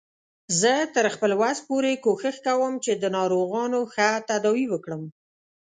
زه تر خپل وس پورې کوښښ کوم چې د ناروغانو ښه تداوی وکړم